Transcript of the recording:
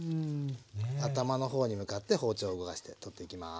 頭の方に向かって包丁を動かして取っていきます。